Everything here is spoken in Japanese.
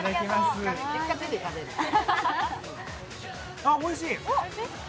あっ、おいしい。